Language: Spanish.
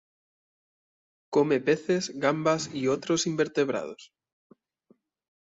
Come peces, gambas y otros invertebrados.